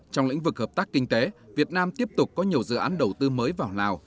trong lĩnh vực hợp tác kinh tế việt nam tiếp tục có nhiều dự án đầu tư mới vào lào